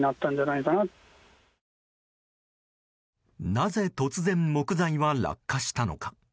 なぜ突然木材は落下したのか。